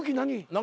何？